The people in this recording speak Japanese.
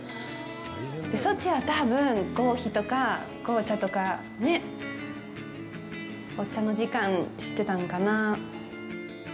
そっちは多分、コーヒーとか紅茶とか、お茶の時間、してたんかなあ。